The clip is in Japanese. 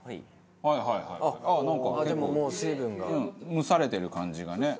蒸されてる感じがね。